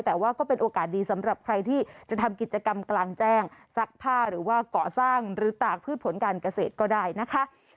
แต่ว่าก็เป็นโอกาสดีสำหรับใครที่จะทำกิจกรรมกลางแจ้งซักผ้าหรือว่าก่อสร้างหรือตากพืชผลการเกษตรก็ได้นะคะ